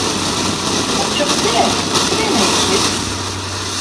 Wat sjoch ik dêr, trieneachjes?